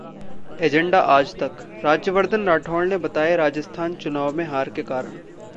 agenda आजतक: राज्यवर्धन राठौड़ ने बताए राजस्थान चुनाव में हार के कारण